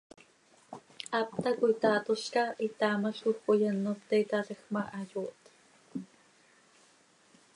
Hap tacoi taatolca, itaamalcoj coi ano pte itaalajc ma, hayooht.